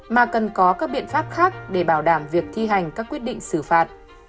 mà cần có các biện pháp khác để bảo đảm việc thi hành các quyết định xử phạt